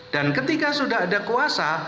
dan ketika sudah ada kuasa